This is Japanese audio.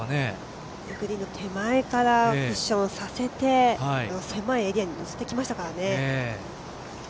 グリーンの手前からクッションさせて狭いエリアに寄せていきましたからね。